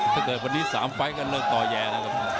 ถ้าเกิดวันนี้สามไฟต์ก็เลิกตอแยร์นะครับ